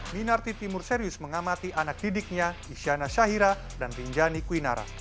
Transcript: minarti timur serius mengamati anak didiknya isyana syahira dan rinjani kwinara